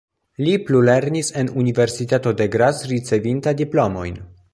Li plulernis en universitato de Graz ricevinta diplomojn.